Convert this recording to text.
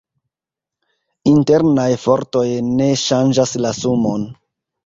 Internaj fortoj ne ŝanĝas la sumon.